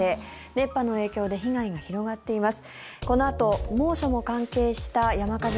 熱波の影響で被害が広がっています。